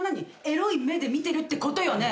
エロい目で見てるってことよね